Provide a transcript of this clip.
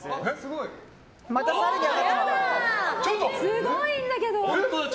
すごいんだけど。